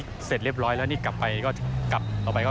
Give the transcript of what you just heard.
อันนี้เสร็จเรียบร้อยแล้วนี่กลับไปก็กลับบ้าน